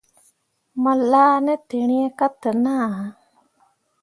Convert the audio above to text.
Mo laa ne tǝrîi ka te ŋaa ah.